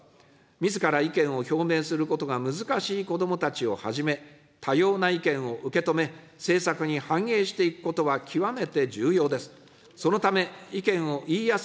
みずから意見を表明することが難しい子どもたちをはじめ、多様な意見を受け止め、政策に反映していくことは極めて重要です。